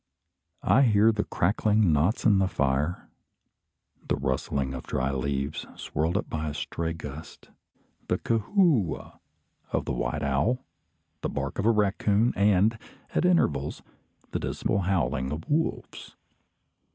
I hear the crackling knots in the fire, the rustling of dry leaves swirled up by a stray gust, the "coo whoo a" of the white owl, the bark of the raccoon, and, at intervals, the dismal howling of wolves.